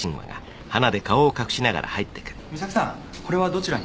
美咲さんこれはどちらに？